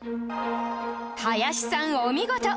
林さんお見事